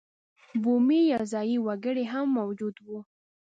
بومي یا ځايي وګړي هم موجود وو.